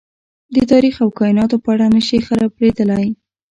د تاريخ او کايناتو په اړه نه شي خبرېدلی.